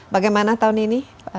bagaimana tahun ini